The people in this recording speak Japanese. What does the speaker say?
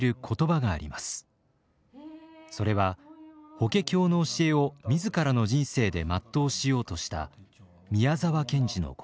それは「法華経」の教えを自らの人生で全うしようとした宮沢賢治の言葉です。